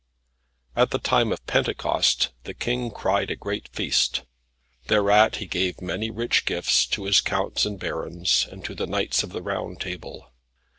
At the time of Pentecost, the King cried a great feast. Thereat he gave many rich gifts to his counts and barons, and to the Knights of the Round Table.